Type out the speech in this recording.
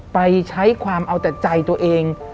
ไปใช้ความเอาแต่ใจตัวเอง